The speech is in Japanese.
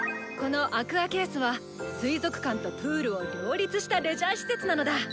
この「アクアケース」は水族館とプールを両立したレジャー施設なのだ。